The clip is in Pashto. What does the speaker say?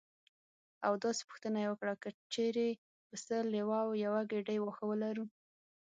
او داسې پوښتنه یې وکړه: که چېرې پسه لیوه او یوه ګېډۍ واښه ولرو.